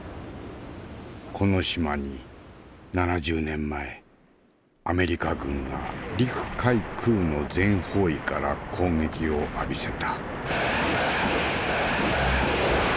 この島に７０年前アメリカ軍が陸海空の全方位から攻撃を浴びせた。